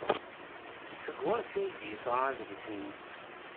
Seg wansi ay d-yesɣa adlis-nni?